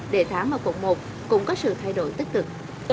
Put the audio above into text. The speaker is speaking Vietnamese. đề tháng ở quận một cũng có sự thay đổi tích cực